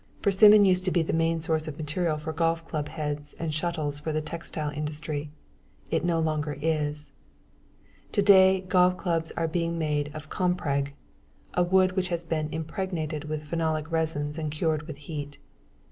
Persimmon used to be the main source of material for golf club heads and shuttles for the textile industry. It no longer is. Today golf club heads are being made of "Compreg," a wood which has been impregnated with phenolic resins and cured with heat.